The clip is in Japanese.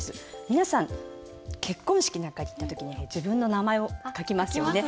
皆さん結婚式なんかに行った時には自分の名前を書きますよね。